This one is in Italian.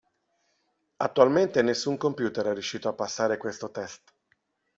Attualmente nessun computer è riuscito a passare questo test.